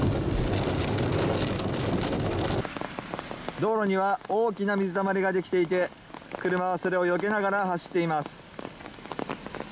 道路には大きな水たまりができていて車は、それをよけながら走っています。